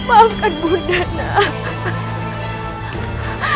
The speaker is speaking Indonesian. maafkan bunda nak